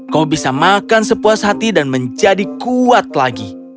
kau bisa makan sepuas hati dan menjadi kuat lagi